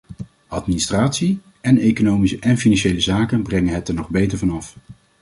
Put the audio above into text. Administratie en economische en financiële zaken brengen het er nog beter van af.